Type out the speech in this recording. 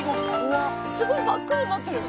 「すごい真っ黒になってる」